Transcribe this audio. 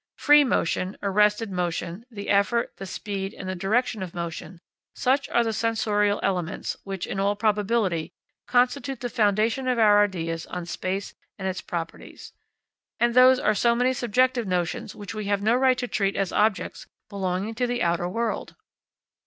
Free motion, arrested motion, the effort, the speed, and the direction of motion, such are the sensorial elements, which, in all probability, constitute the foundation of our ideas on space and its properties. And those are so many subjective notions which we have no right to treat as objects belonging to the outer world.